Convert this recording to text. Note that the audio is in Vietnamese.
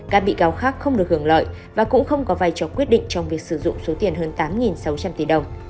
các bị cáo khác không được hưởng lợi và cũng không có vai trò quyết định trong việc sử dụng số tiền hơn tám sáu trăm linh tỷ đồng